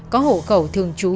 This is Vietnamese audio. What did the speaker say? có hộ khẩu thường trú